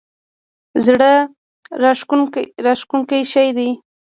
زړه راښکونکی شی دی.